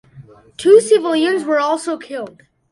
Two civilians were also killed.